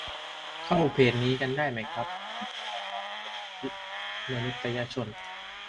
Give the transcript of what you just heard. เข้าเพจนี้กันได้ไหมครับ ศูนย์ทนายความเพื่อสิทธิมนุษยชน